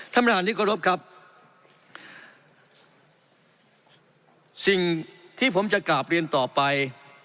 ท่านประธานที่กรบครับสิ่งที่ผมจะกราบเรียนต่อไป